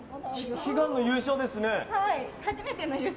悲願の優勝ですね。